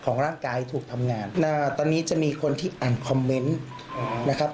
ร่างกายถูกทำงานตอนนี้จะมีคนที่อ่านคอมเมนต์นะครับ